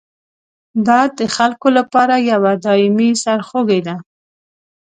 دا د خلکو لپاره یوه دایمي سرخوږي ده.